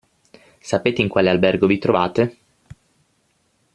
Sapete in quale albergo vi trovate?